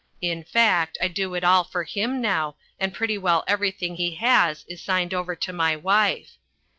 In fact, I do it all for him now, and pretty well everything he has is signed over to my wife.